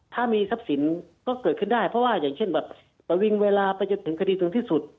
ถ้ามีทรัพย์สินก็เกิดขึ้นได้เพราะว่าอย่างเช่นแบบประวิงเวลาไปจนถึงคดีถึงที่สุด